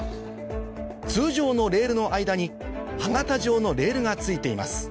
通常のレールの間に歯形状のレールが付いています